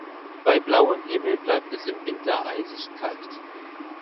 Bei blauem Himmel bleibt es im Winter eisig kalt.